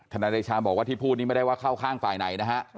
นายเดชาบอกว่าที่พูดนี้ไม่ได้ว่าเข้าข้างฝ่ายไหนนะฮะ